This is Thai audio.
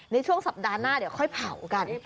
ในช่วงสัปดาห์หน้าเดี๋ยวค่อยเผากัน